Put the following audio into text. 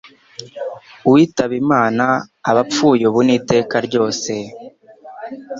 Uwitabe imana abapfuye ubu n'iteka ryose.